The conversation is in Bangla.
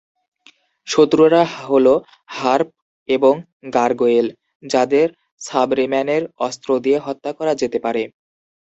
শত্রুরা হল হার্প এবং গারগোয়েল, যাদের সাবরেম্যানের অস্ত্র দিয়ে হত্যা করা যেতে পারে।